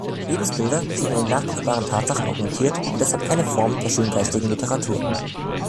Lebensbilder sind an den nachprüfbaren Tatsachen orientiert und deshalb keine Form der schöngeistigen Literatur.